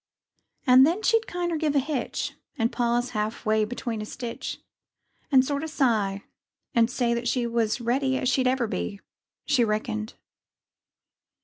And then she'd kinder give a hitch, And pause half way between a stitch. And sorter sigh, and say that she Was ready as she'd ever be. She reckoned.